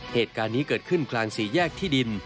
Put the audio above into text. เหตุการณ์นี้เกิดขึ้นกลางสี่แยกที่ดิน